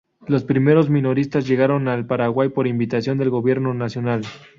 Los primeros menonitas llegaron al Paraguay por invitación del gobierno nacional.